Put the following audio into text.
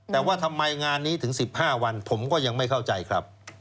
แต่ว่าทำไมงานนี้ถึง๑๕วันผมก็ยังไม่เข้าใจครับ